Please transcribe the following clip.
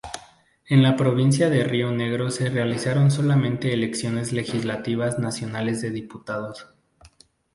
En la provincia de Río Negro se realizaron solamente elecciones legislativas nacionales de diputados.